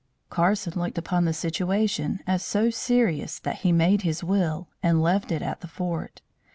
Carson looked upon the situation as so serious that he made his will and left it at the fort.